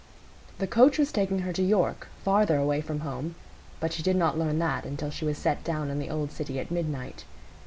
The coach was taking her to York, farther away from home; but she did not learn that until she was set down in the old city at midnight.